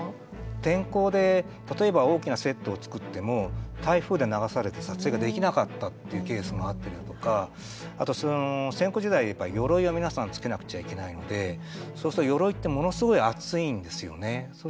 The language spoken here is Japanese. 天候で、例えば大きなセットを作っても台風で流されて撮影ができなかったっていうケースもあったりとかあと戦国時代、よろいを皆さん着けなくちゃいけないのでそうすると、よろいってものすごい暑いんですよね。